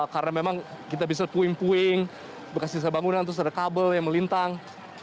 karena memang kita bisa puing puing bekas sisa bangunan terus ada kabel yang melintang